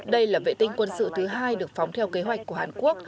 đây là vệ tinh quân sự thứ hai được phóng theo kế hoạch của hàn quốc